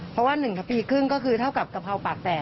เพราะว่า๑ปีครึ่งก็คือเท่ากับกะเพราปากแตก